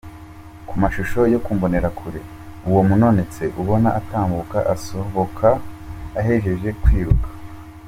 Ku mashusho yo ku mbonerakure, uwo munonotse ubona atambuka asoboka ahejeje kwiruka.